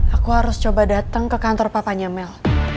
aku harus coba datang ke kantor papanya mel